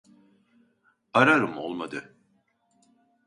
Ararım olmadı